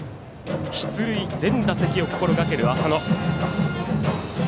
出塁、全打席を心がける浅野。